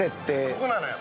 ここなのよ。